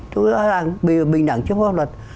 rõ ràng bình đẳng chấp pháp luật